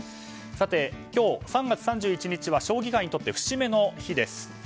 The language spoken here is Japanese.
今日３月３１日には将棋界にとって節目の日です。